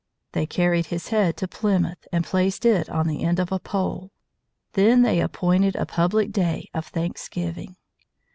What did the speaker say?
They carried his head to Plymouth, and placed it on the end of a pole. Then they appointed a public day of thanksgiving.